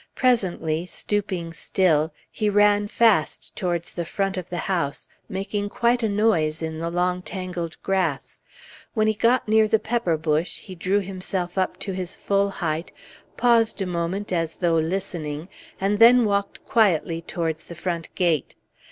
Presently, stooping still, he ran fast towards the front of the house, making quite a noise in the long tangled grass. When he got near the pepper bush, he drew himself up to his full height, paused a moment as though listening, and then walked quietly towards the front gate.